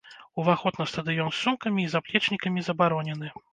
Уваход на стадыён з сумкамі і заплечнікамі забаронены.